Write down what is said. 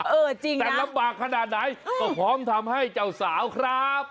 เออจริงแต่ลำบากขนาดไหนก็พร้อมทำให้เจ้าสาวครับ